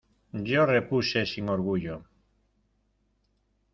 yo repuse sin orgullo: